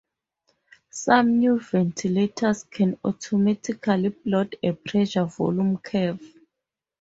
Some new ventilators can automatically plot a pressure-volume curve.